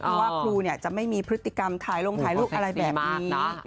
ว่าครูจะไม่มีพฤติกรรมท้ายลงท้ายลูกอะไรแบบนี้